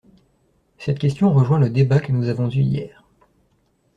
Cette question rejoint le débat que nous avons eu hier.